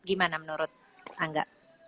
gimana menurut anda